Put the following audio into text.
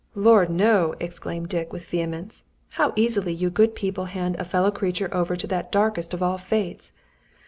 "Lor, no!" exclaimed Dick, with vehemence. "How easily you good people hand a fellow creature over to that darkest of all fates!